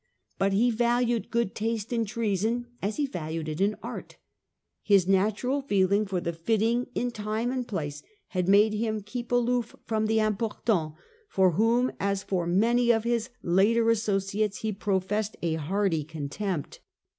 But he valued good taste in treason as he valued it in any art. His natural feeling for the fitting in time and place had made him keep aloof from the ' Importants,' for whom, as for many of his later associates, he professed a hearty contempt.